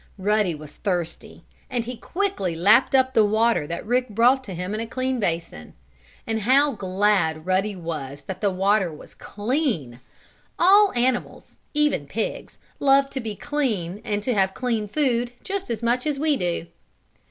Ruddy was thirsty, and he quickly lapped up the water that Rick brought to him in a clean basin. And how glad Ruddy was that the water was clean. All animals, even pigs, love to be clean and to have clean food, just as much as we do.